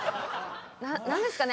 何ですかね？